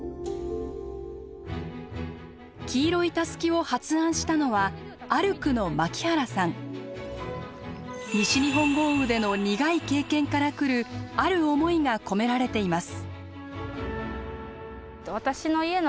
黄色いタスキを発案したのは西日本豪雨での苦い経験から来るある思いが込められています。